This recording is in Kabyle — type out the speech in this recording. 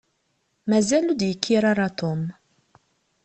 Mazal ur d-yekkir ara Tom.